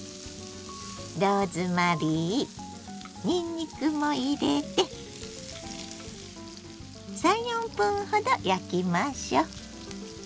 ローズマリーにんにくも入れて３４分ほど焼きましょう。